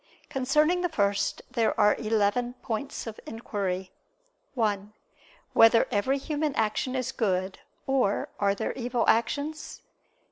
Concerning the first there are eleven points of inquiry: (1) Whether every human action is good, or are there evil actions?